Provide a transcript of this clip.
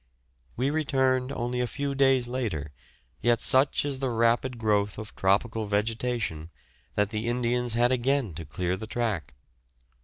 We returned only a few days later, yet such is the rapid growth of tropical vegetation that the Indians had again to clear the track.